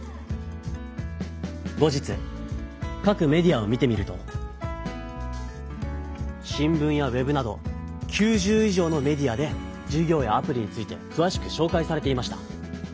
後日かくメディアを見てみると新聞やウェブなど９０以上のメディアでじゅ業やアプリについてくわしくしょうかいされていました。